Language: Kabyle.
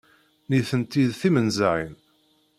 Nitenti d timenzaɣin.